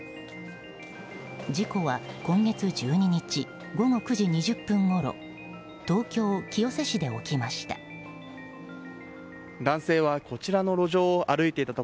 事故は今月１２日午後９時２０分ごろ東京・清瀬市で起きました。